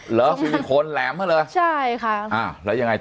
หรือซิลิโคนแหลมเหรอใช่ค่ะแล้วยังไงต่อ